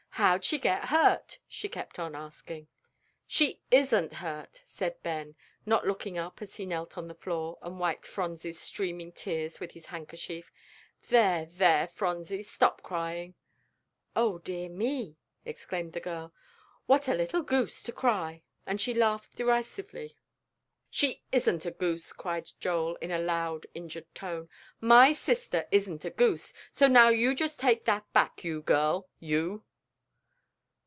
"How'd she get hurt?" she kept on asking. "She isn't hurt," said Ben, not looking up as he knelt on the floor and wiped Phronsie's streaming tears with his handkerchief. "There, there, Phronsie, stop crying." "O dear me!" exclaimed the girl; "what a little goose to cry!" and she laughed derisively. "She isn't a goose," cried Joel, in a loud, injured tone; "my sister isn't a goose; so now you just take that back, you girl, you!"